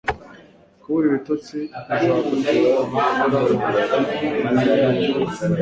Kubura ibitotsi bizagutera gukora ibintu byubupfu.